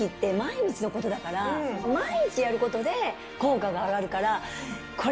毎日やることで効果が上がるから。